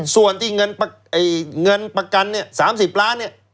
ส่วนที่เงินประกัน๓๐ล้าน